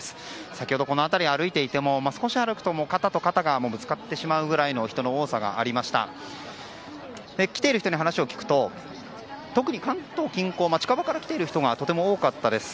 先ほどこの辺り歩いていても少し歩いていても肩と肩がぶつかってしまうぐらいの人の多さがありました。来ている人に話を聞くと特に関東近郊近場から来ている人がとても多かったです。